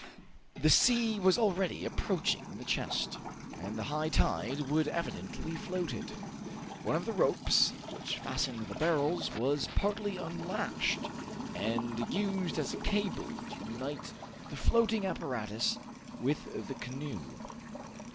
The sea was already approaching the chest, and the high tide would evidently float it. One of the ropes which fastened the barrels was partly unlashed and used as a cable to unite the floating apparatus with the canoe.